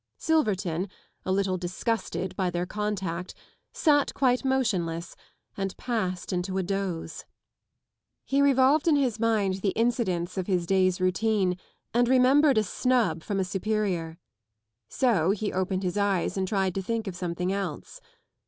Silverton, a little disgusted by their contact, sat quite motionless and passed into a doze. He revolved in his mind the incidents of his day's routine and remembered a snub from a superior. So he opened his eyes and tried to think of something else.